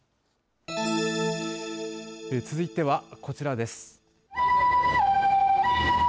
続いては、こちらです。